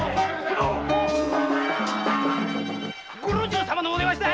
御老中様のお出ましだ！